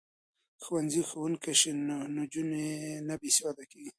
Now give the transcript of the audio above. که ښځې ښوونکې شي نو نجونې نه بې سواده کیږي.